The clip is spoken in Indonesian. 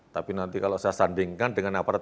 tapi nanti kalau saya sandingkan dengan aparat